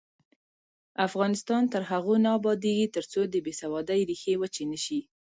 افغانستان تر هغو نه ابادیږي، ترڅو د بې سوادۍ ریښې وچې نشي.